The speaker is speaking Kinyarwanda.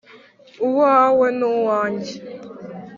uwawe n'uwanjye